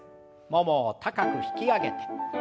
ももを高く引き上げて。